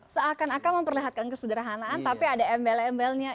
seakan akan memperlihatkan kesederhanaan tapi ada embel embelnya